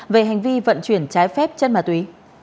về hành vi vận chuyển trái phép chất ma túy